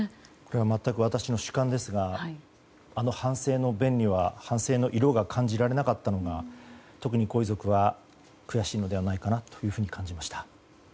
全く私の主観ですがあの反省の弁には反省の色が感じられなかったのが特にご遺族は悔しいのではないかと感じました。